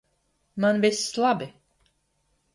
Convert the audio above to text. Man viss labi!